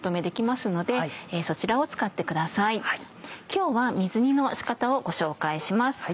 今日は水煮の仕方をご紹介します。